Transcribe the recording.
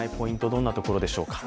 どんなところでしょうか。